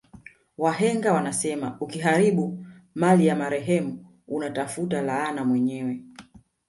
Wahenga wanasema ukiharibu mali ya marehemu una tafuta laana mwenyewe